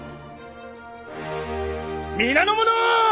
皆の者！